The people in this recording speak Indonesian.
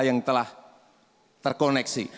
yang telah terkoneksi